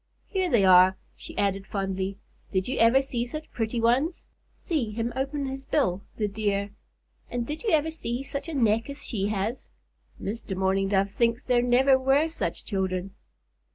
"Here they are," she added, fondly. "Did you ever see such pretty ones? See him open his bill, the dear! And did you ever see such a neck as she has? Mr. Mourning Dove thinks there never were such children."